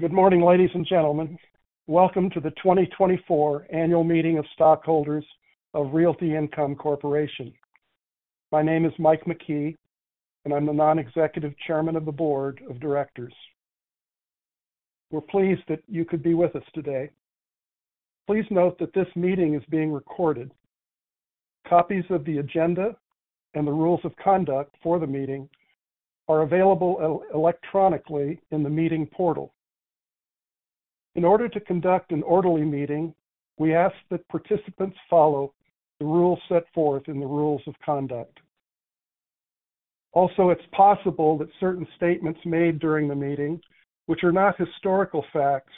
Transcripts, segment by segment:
Good morning, ladies and gentlemen. Welcome to the 2024 Annual Meeting of Stockholders of Realty Income Corporation. My name is Mike McKee, and I'm the Non-Executive Chairman of the Board of Directors. We're pleased that you could be with us today. Please note that this meeting is being recorded. Copies of the agenda and the rules of conduct for the meeting are available electronically in the meeting portal. In order to conduct an orderly meeting, we ask that participants follow the rules set forth in the rules of conduct. Also, it's possible that certain statements made during the meeting, which are not historical facts,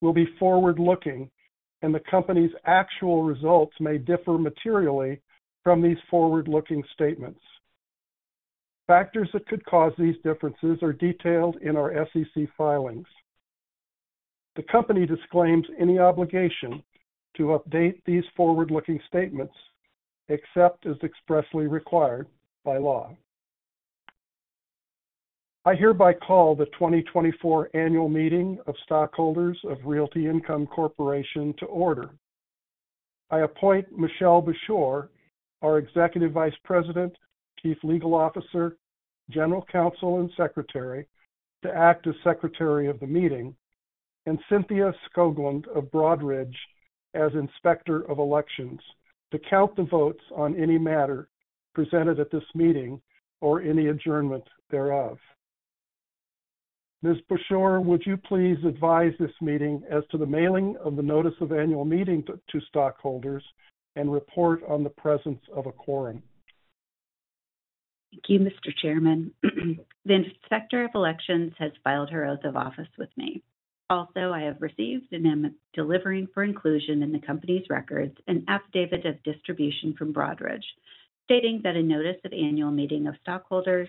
will be forward-looking, and the company's actual results may differ materially from these forward-looking statements. Factors that could cause these differences are detailed in our SEC filings. The company disclaims any obligation to update these forward-looking statements, except as expressly required by law. I hereby call the 2024 Annual Meeting of Stockholders of Realty Income Corporation to order. I appoint Michelle Bushore, our Executive Vice President, Chief Legal Officer, General Counsel, and Secretary, to act as Secretary of the meeting, and Cynthia Skoglund of Broadridge as Inspector of Elections, to count the votes on any matter presented at this meeting or any adjournment thereof. Ms. Bushore, would you please advise this meeting as to the mailing of the notice of annual meeting to stockholders and report on the presence of a quorum? Thank you, Mr. Chairman. The Inspector of Elections has filed her oath of office with me. Also, I have received and am delivering for inclusion in the company's records, an affidavit of distribution from Broadridge, stating that a notice of annual meeting of stockholders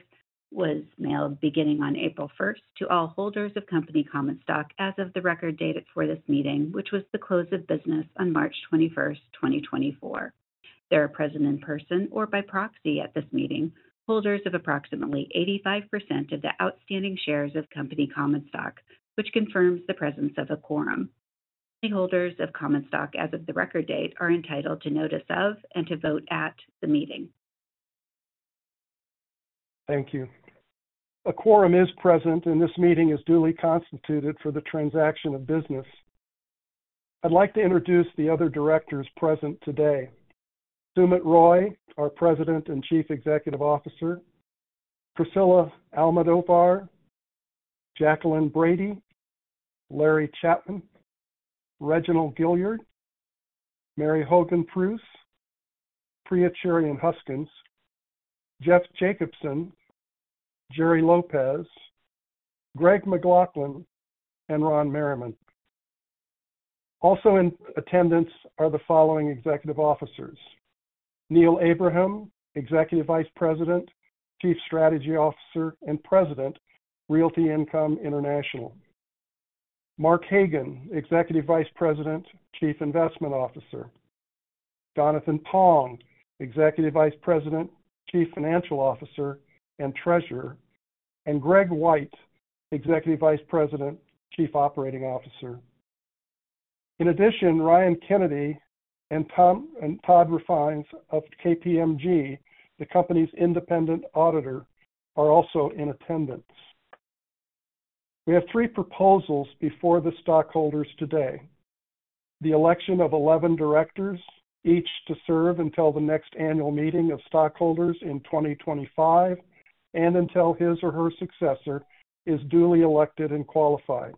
was mailed beginning on April 1 to all holders of company common stock as of the record date for this meeting, which was the close of business on March 21, 2024. They are present in person or by proxy at this meeting, holders of approximately 85% of the outstanding shares of company common stock, which confirms the presence of a quorum. Shareholders of common stock as of the record date, are entitled to notice of and to vote at the meeting. Thank you. A quorum is present, and this meeting is duly constituted for the transaction of business. I'd like to introduce the other directors present today. Sumit Roy, our President and Chief Executive Officer, Priscilla Almodovar, Jacqueline Brady, Larry Chapman, Reginald Gilyard, Mary Hogan Preusse, Priya Cherian Huskins, Jeff Jacobson, Jerry Lopez, Greg McLaughlin, and Ron Merriman. Also in attendance are the following executive officers: Neil Abraham, Executive Vice President, Chief Strategy Officer, and President, Realty Income International. Mark Hagan, Executive Vice President, Chief Investment Officer. Jonathan Pong, Executive Vice President, Chief Financial Officer, and Treasurer, and Greg White, Executive Vice President, Chief Operating Officer. In addition, Ryan Kennedy and Todd Rozen of KPMG, the company's independent auditor, are also in attendance. We have three proposals before the stockholders today. The election of 11 directors, each to serve until the next annual meeting of stockholders in 2025 and until his or her successor is duly elected and qualified.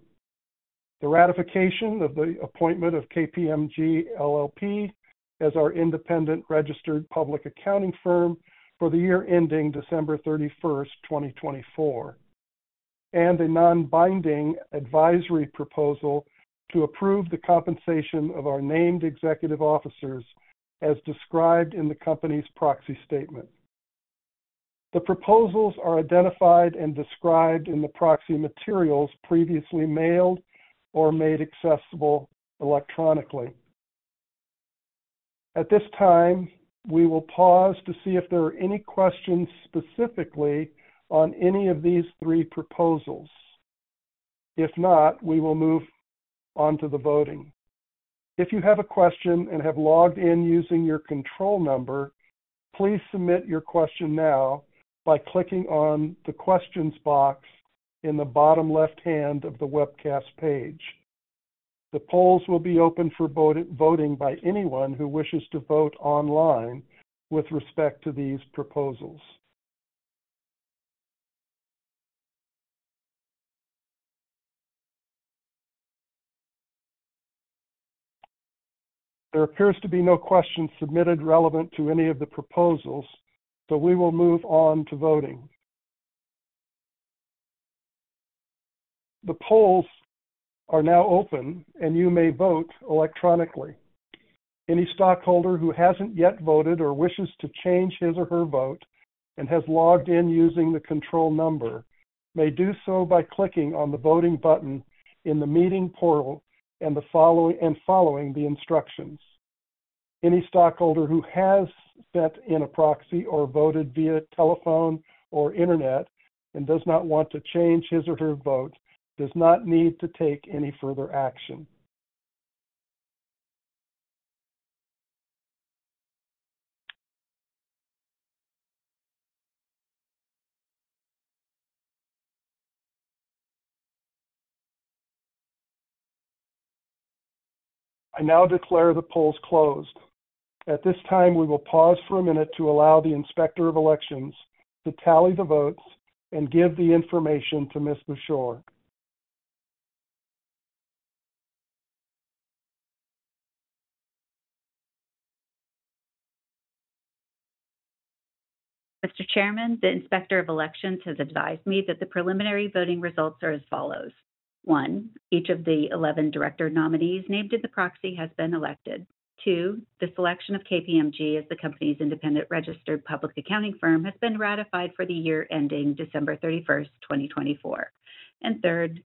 The ratification of the appointment of KPMG LLP as our independent registered public accounting firm for the year ending December 31, 2024, and a non-binding advisory proposal to approve the compensation of our named executive officers as described in the company's proxy statement. The proposals are identified and described in the proxy materials previously mailed or made accessible electronically. At this time, we will pause to see if there are any questions specifically on any of these 3 proposals. If not, we will move on to the voting. If you have a question and have logged in using your control number, please submit your question now by clicking on the questions box in the bottom left-hand of the webcast page. The polls will be open for voting by anyone who wishes to vote online with respect to these proposals. There appears to be no questions submitted relevant to any of the proposals, so we will move on to voting. The polls are now open, and you may vote electronically. Any stockholder who hasn't yet voted or wishes to change his or her vote and has logged in using the control number may do so by clicking on the voting button in the meeting portal and following the instructions. Any stockholder who has sent in a proxy or voted via telephone or internet and does not want to change his or her vote does not need to take any further action. I now declare the polls closed. At this time, we will pause for a minute to allow the Inspector of Elections to tally the votes and give the information to Ms. Bushore. Mr. Chairman, the Inspector of Elections has advised me that the preliminary voting results are as follows: one, each of the 11 director nominees named in the proxy has been elected. two, the selection of KPMG as the company's independent registered public accounting firm has been ratified for the year ending December 31, 2024. And 3rd,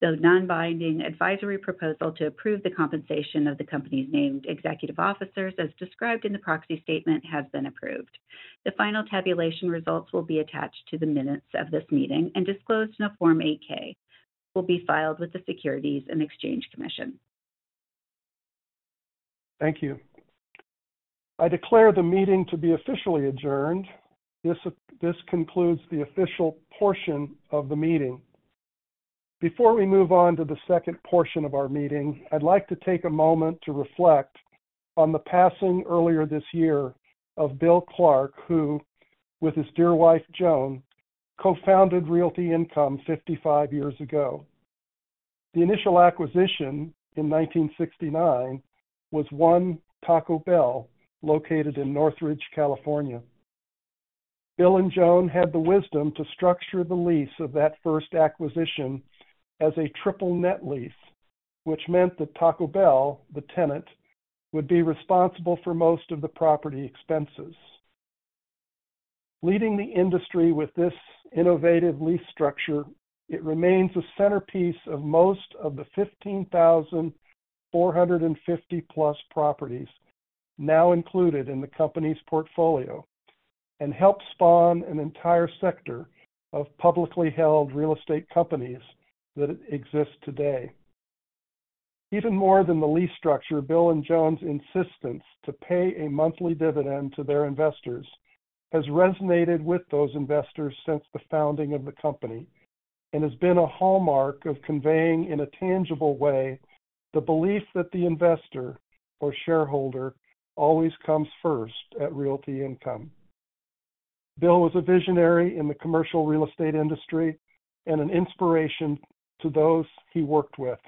the non-binding advisory proposal to approve the compensation of the company's named executive officers, as described in the proxy statement, has been approved. The final tabulation results will be attached to the minutes of this meeting and disclosed in a Form 8-K. Will be filed with the Securities and Exchange Commission. Thank you. I declare the meeting to be officially adjourned. This concludes the official portion of the meeting. Before we move on to the second portion of our meeting, I'd like to take a moment to reflect on the passing earlier this year of Bill Clark, who, with his dear wife, Joan, co-founded Realty Income 55 years ago. The initial acquisition in 1969 was one Taco Bell, located in Northridge, California. Bill and Joan had the wisdom to structure the lease of that first acquisition as a triple-net lease, which meant that Taco Bell, the tenant, would be responsible for most of the property expenses. Leading the industry with this innovative lease structure, it remains a centerpiece of most of the 15,450+ properties now included in the company's portfolio. Helped spawn an entire sector of publicly held real estate companies that exist today. Even more than the lease structure, Bill and Joan's insistence to pay a monthly dividend to their investors has resonated with those investors since the founding of the company, and has been a hallmark of conveying, in a tangible way, the belief that the investor or shareholder always comes first at Realty Income. Bill was a visionary in the commercial real estate industry and an inspiration to those he worked with.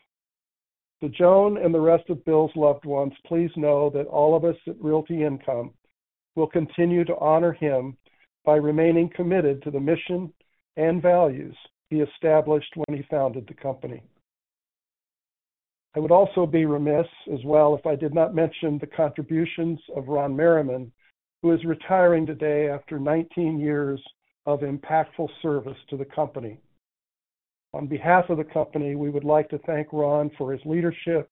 To Joan and the rest of Bill's loved ones, please know that all of us at Realty Income will continue to honor him by remaining committed to the mission and values he established when he founded the company. I would also be remiss, as well, if I did not mention the contributions of Ron Merriman, who is retiring today after 19 years of impactful service to the company. On behalf of the company, we would like to thank Ron for his leadership,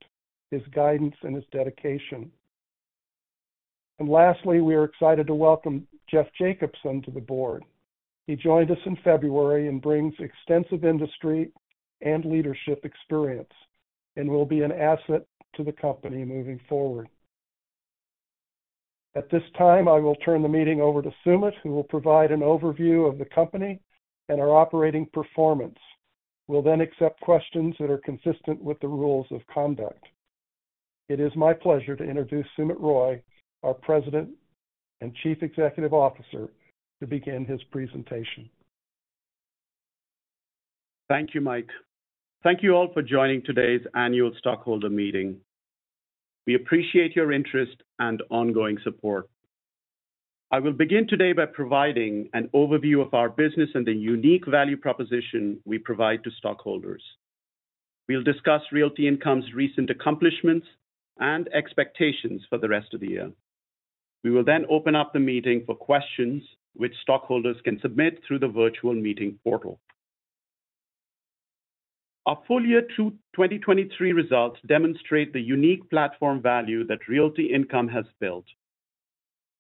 his guidance, and his dedication. Lastly, we are excited to welcome Jeff Jacobson to the board. He joined us in February and brings extensive industry and leadership experience, and will be an asset to the company moving forward. At this time, I will turn the meeting over to Sumit, who will provide an overview of the company and our operating performance. We'll then accept questions that are consistent with the rules of conduct. It is my pleasure to introduce Sumit Roy, our President and Chief Executive Officer, to begin his presentation. Thank you, Mike. Thank you all for joining today's annual stockholder meeting. We appreciate your interest and ongoing support. I will begin today by providing an overview of our business and the unique value proposition we provide to stockholders. We'll discuss Realty Income's recent accomplishments and expectations for the rest of the year. We will then open up the meeting for questions, which stockholders can submit through the virtual meeting portal. Our full year 2023 results demonstrate the unique platform value that Realty Income has built.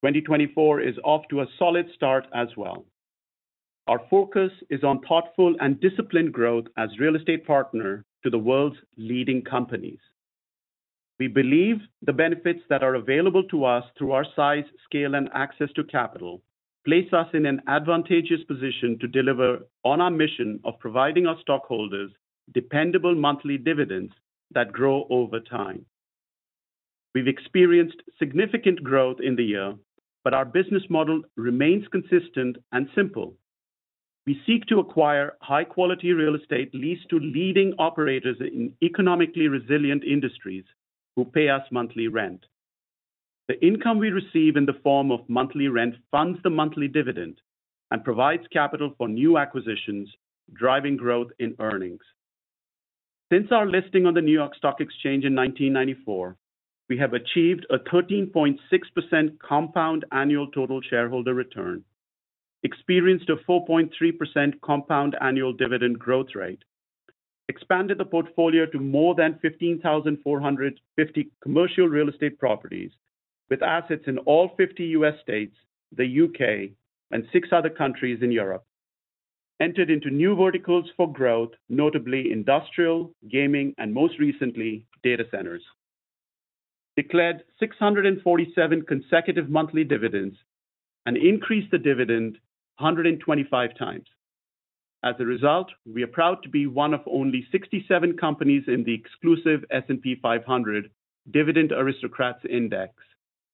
2024 is off to a solid start as well. Our focus is on thoughtful and disciplined growth as real estate partner to the world's leading companies. We believe the benefits that are available to us through our size, scale, and access to capital place us in an advantageous position to deliver on our mission of providing our stockholders dependable monthly dividends that grow over time. We've experienced significant growth in the year, but our business model remains consistent and simple. We seek to acquire high-quality real estate leased to leading operators in economically resilient industries who pay us monthly rent. The income we receive in the form of monthly rent funds the monthly dividend and provides capital for new acquisitions, driving growth in earnings. Since our listing on the New York Stock Exchange in 1994, we have achieved a 13.6% Compound Annual Total Shareholder Return, experienced a 4.3% compound annual dividend growth rate-... expanded the portfolio to more than 15,450 commercial real estate properties, with assets in all 50 U.S. states, the U.K., and six other countries in Europe. Entered into new verticals for growth, notably industrial, gaming, and most recently, data centers. Declared 647 consecutive monthly dividends, and increased the dividend 125 times. As a result, we are proud to be one of only 67 companies in the exclusive S&P 500 Dividend Aristocrats Index,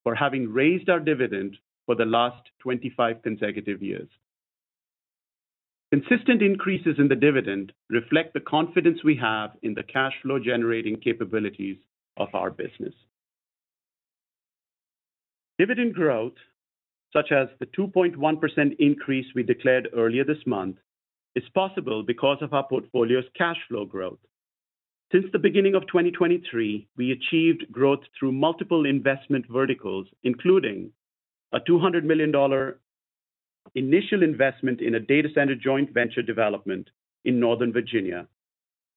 for having raised our dividend for the last 25 consecutive years. Consistent increases in the dividend reflect the confidence we have in the cash flow generating capabilities of our business. Dividend growth, such as the 2.1% increase we declared earlier this month, is possible because of our portfolio's cash flow growth. Since the beginning of 2023, we achieved growth through multiple investment verticals, including a $200 million initial investment in a data center joint venture development in Northern Virginia.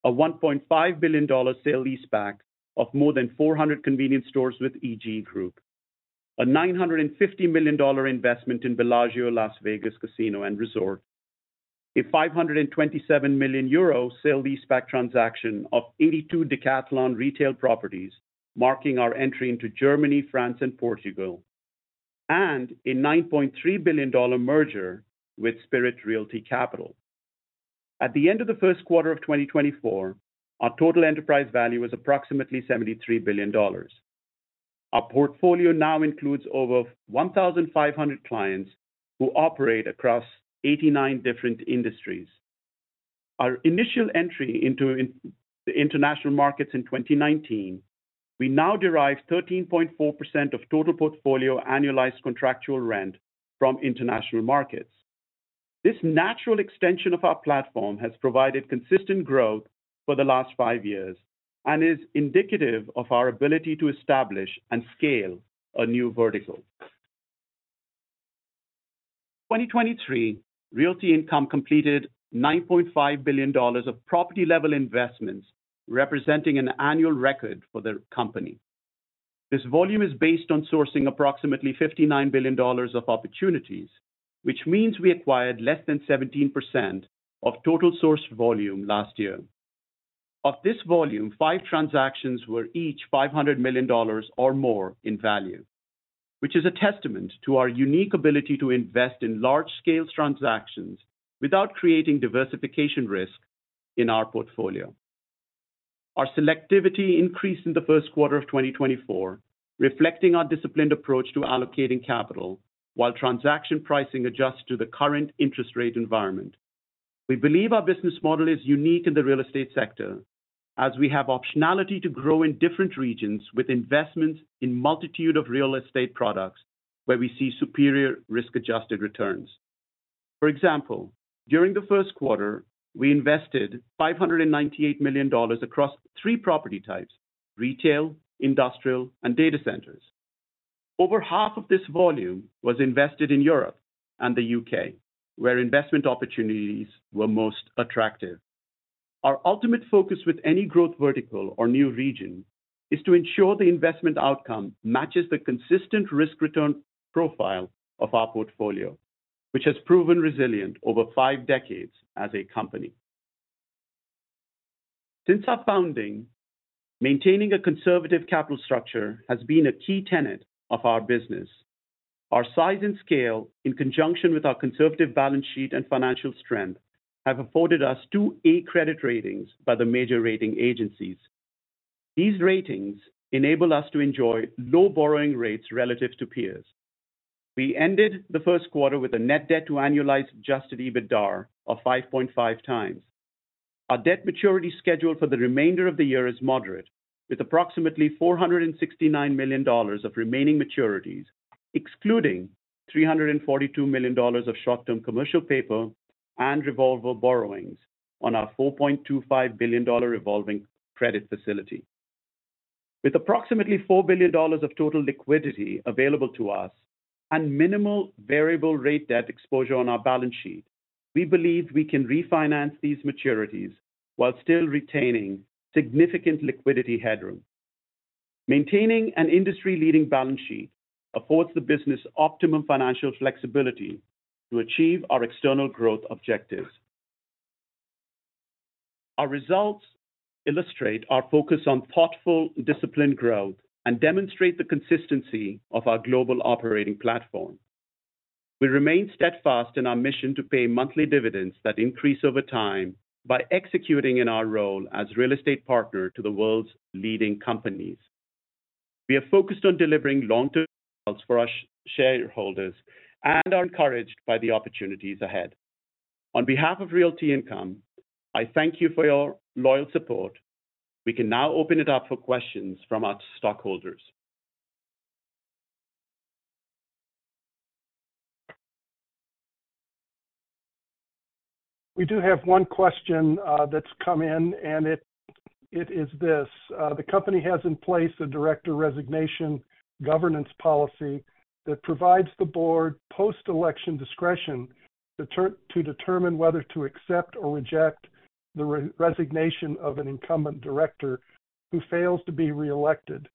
A $1.5 billion sale-leaseback of more than 400 convenience stores with EG Group. A $950 million investment in Bellagio Las Vegas Casino and Resort. A 527 million euro sale-leaseback transaction of 82 Decathlon retail properties, marking our entry into Germany, France, and Portugal. And a $9.3 billion merger with Spirit Realty Capital. At the end of the first quarter of 2024, our total enterprise value was approximately $73 billion. Our portfolio now includes over 1,500 clients, who operate across 89 different industries. Our initial entry into the international markets in 2019, we now derive 13.4% of total portfolio annualized contractual rent from international markets. This natural extension of our platform has provided consistent growth for the last five years, and is indicative of our ability to establish and scale a new vertical. In 2023, Realty Income completed $9.5 billion of property-level investments, representing an annual record for the company. This volume is based on sourcing approximately $59 billion of opportunities, which means we acquired less than 17% of total sourced volume last year. Of this volume, five transactions were each $500 million or more in value, which is a testament to our unique ability to invest in large-scale transactions without creating diversification risk in our portfolio. Our selectivity increased in the first quarter of 2024, reflecting our disciplined approach to allocating capital, while transaction pricing adjusts to the current interest rate environment. We believe our business model is unique in the real estate sector, as we have optionality to grow in different regions with investments in multitude of real estate products, where we see superior risk-adjusted returns. For example, during the first quarter, we invested $598 million across three property types: retail, industrial, and data centers. Over half of this volume was invested in Europe and the U.K., where investment opportunities were most attractive. Our ultimate focus with any growth vertical or new region is to ensure the investment outcome matches the consistent risk-return profile of our portfolio, which has proven resilient over five decades as a company. Since our founding, maintaining a conservative capital structure has been a key tenet of our business. Our size and scale, in conjunction with our conservative balance sheet and financial strength, have afforded us two A credit ratings by the major rating agencies. These ratings enable us to enjoy low borrowing rates relative to peers. We ended the first quarter with a Net Debt to Annualized Adjusted EBITDA of 5.5x. Our debt maturity schedule for the remainder of the year is moderate, with approximately $469 million of remaining maturities, excluding $342 million of short-term commercial paper and revolver borrowings on our $4.25 billion Revolving Credit Facility. With approximately $4 billion of total liquidity available to us and minimal variable rate debt exposure on our balance sheet, we believe we can refinance these maturities while still retaining significant liquidity headroom. Maintaining an industry-leading balance sheet affords the business optimum financial flexibility to achieve our external growth objectives. Our results illustrate our focus on thoughtful, disciplined growth and demonstrate the consistency of our global operating platform. We remain steadfast in our mission to pay monthly dividends that increase over time, by executing in our role as real estate partner to the world's leading companies. We are focused on delivering long-term results for our shareholders and are encouraged by the opportunities ahead. On behalf of Realty Income, I thank you for your loyal support. We can now open it up for questions from our stockholders. We do have one question that's come in. It is this: the company has in place a director resignation governance policy that provides the board post-election discretion to determine whether to accept or reject the resignation of an incumbent director who fails to be reelected.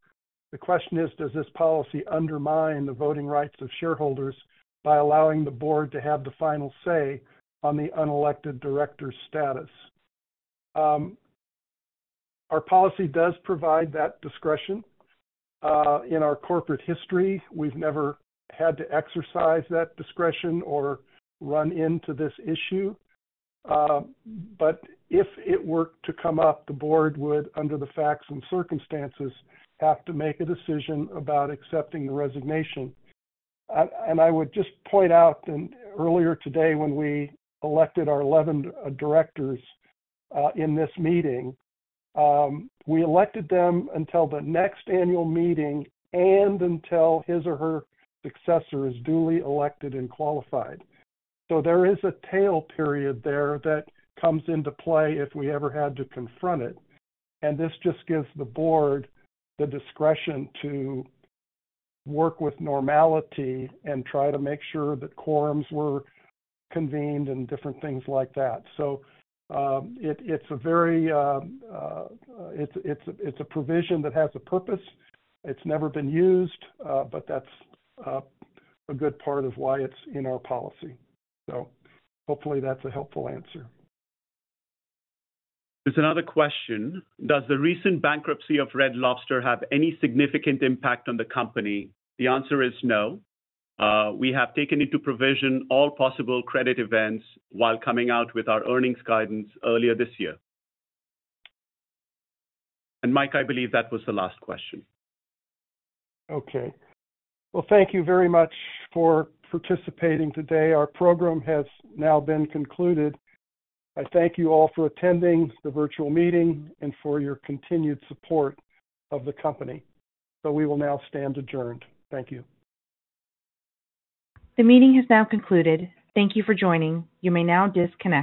The question is, does this policy undermine the voting rights of shareholders by allowing the board to have the final say on the unelected director's status? Our policy does provide that discretion. In our corporate history, we've never had to exercise that discretion or run into this issue. But if it were to come up, the board would, under the facts and circumstances, have to make a decision about accepting the resignation. I would just point out earlier today, when we elected our 11 directors in this meeting, we elected them until the next annual meeting and until his or her successor is duly elected and qualified. So there is a tail period there that comes into play if we ever had to confront it, and this just gives the board the discretion to work with normality and try to make sure that quorums were convened and different things like that. So, it's a provision that has a purpose. It's never been used, but that's a good part of why it's in our policy. So hopefully that's a helpful answer. There's another question: Does the recent bankruptcy of Red Lobster have any significant impact on the company? The answer is no. We have taken into provision all possible credit events while coming out with our earnings guidance earlier this year. Mike, I believe that was the last question. Okay. Well, thank you very much for participating today. Our program has now been concluded. I thank you all for attending the virtual meeting and for your continued support of the company. So we will now stand adjourned. Thank you. The meeting is now concluded. Thank you for joining. You may now disconnect.